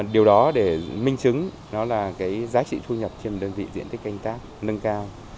điều đó để minh chứng nó là cái giá trị thu nhập trên đơn vị diện tích canh tác nâng cao